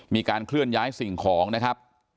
มีการเคลื่อนย้ายสิ่งของนะครับ